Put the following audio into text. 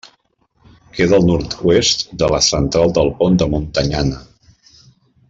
Queda al nord-oest de la Central del Pont de Montanyana.